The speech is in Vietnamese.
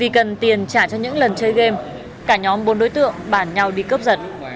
vì cần tiền trả cho những lần chơi game cả nhóm bốn đối tượng bàn nhau đi cướp sật